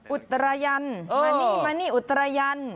อุตรยันมานี่อุตรยัน